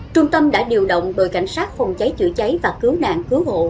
trung tâm đã điều động đội cảnh sát phòng cháy chữa cháy và cứu nạn cứu hộ